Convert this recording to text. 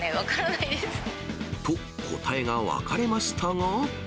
と、答えが分かれましたが。